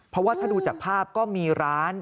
เพราะว่าถ้าดูจากภาพก็มีร้าน